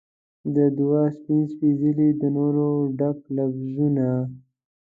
د دعا سپین سپیڅلي د نوره ډک لفظونه